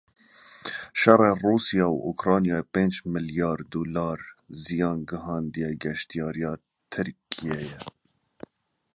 Şerê Rûsya û Ukraynayê pênc milyar dolar ziyan gihandiye geştiyariya Tirkiyeyê.